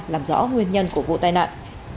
làm rõ nguyên nhân của vụ tai nạn